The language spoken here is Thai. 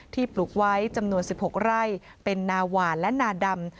ปลูกไว้จำนวน๑๖ไร่เป็นนาหวานและนาดำ